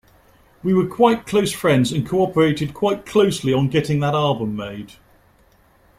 We were quite close friends and co-operated quite closely on getting that album made.